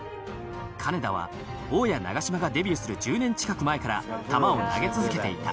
金田は王や長嶋がデビューする１０年近く前から球を投げ続けていた。